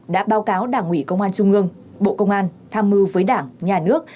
đã báo cáo đảng ủy công an trung ương bộ công an tham mưu với đảng nhà nước